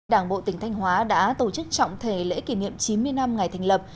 đảng bộ tỉnh thanh hóa đã tổ chức trọng thể lễ kỷ niệm chín mươi năm ngày thành lập